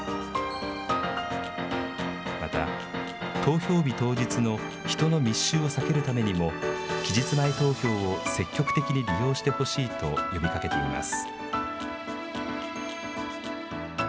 また投票日当日の人の密集を避けるためにも期日前投票を積極的に利用してほしいと呼びかけています。